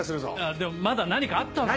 でもまだ何かあったわけじゃ。